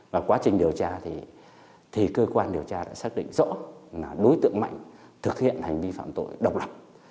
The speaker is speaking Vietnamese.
và quá trình điều tra thì cơ quan điều tra đã xác định rõ là đối tượng mạnh thực hiện hành vi phạm tội độc lập